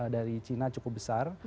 dari cina cukup besar